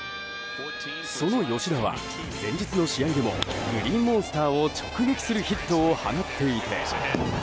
その吉田は、前日の試合でもグリーンモンスターを直撃するヒットを放っていて。